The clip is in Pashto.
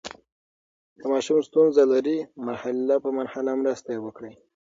که ماشوم ستونزه لري، مرحلې په مرحله مرسته یې وکړئ.